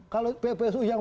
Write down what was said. kalau psu yang